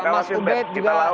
mas ubed juga